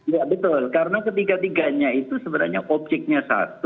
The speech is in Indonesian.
ya betul karena ketiga tiganya itu sebenarnya objeknya satu